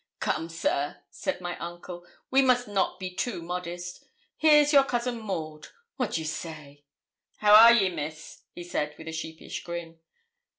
'Come, sir,' said my uncle, we must not be too modest. Here's your cousin Maud what do you say?' 'How are ye, Miss?' he said, with a sheepish grin.